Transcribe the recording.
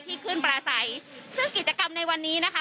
ที่ขึ้นปลาใสซึ่งกิจกรรมในวันนี้นะคะ